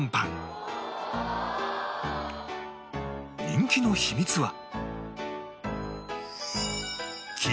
人気の秘密は